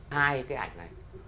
hai cái ảnh này